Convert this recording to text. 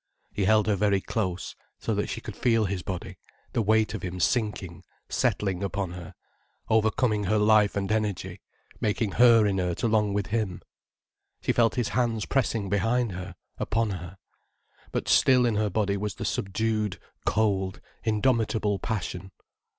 He held her very close, so that she could feel his body, the weight of him sinking, settling upon her, overcoming her life and energy, making her inert along with him, she felt his hands pressing behind her, upon her. But still in her body was the subdued, cold, indomitable passion.